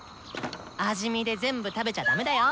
味見で全部食べちゃ駄目だよ。